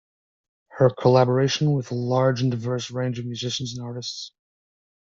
Her collaboration with a large and diverse range of musicians and artists.